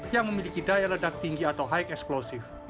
yang memiliki daya ledak tinggi atau high explosive